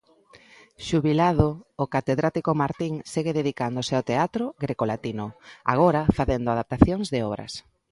Xubilado, o catedrático Martín segue dedicándose ao teatro grecolatino, agora facendo adaptacións de obras.